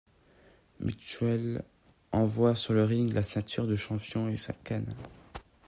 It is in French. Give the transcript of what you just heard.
Mitchell envoie sur le ring la ceinture de champion et sa canne.